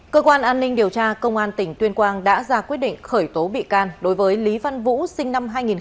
cơ quan an ninh điều tra công an tỉnh tuyên quang đã ra quyết định khởi tố bị can đối với lý văn vũ sinh năm hai nghìn